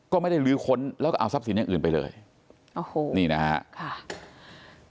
ก็ไม่ได้ลื้อค้นแล้วก็เอาทรัพย์สินอย่างอื่นไปเลยโอ้โหนี่นะฮะค่ะ